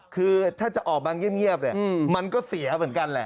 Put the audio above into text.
คือถ้าจะออกมาเงียบเนี่ยมันก็เสียเหมือนกันแหละ